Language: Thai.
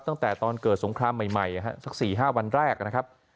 ตั้งแต่ตอนเกิดสงครามใหม่สัก๔๕วันแรกนะครับ